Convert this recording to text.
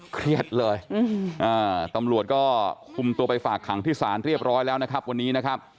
เครียดเลยตำรวจก็คุมตัวไปฝากขังที่ศาลเรียบร้อยแล้วนะครับวันนี้นะครับ